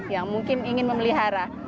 yang mungkin ingin memelihara